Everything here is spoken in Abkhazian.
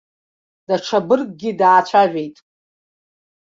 Даҽа быргкгьы даацәажәеит.